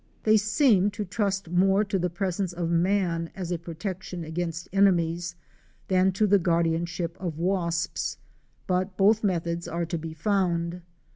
They seem to trust more to the presence of man as a protection against enemies than to the guardianship of wasps, but both methods are to be found.